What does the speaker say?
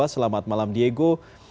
selamat malam diego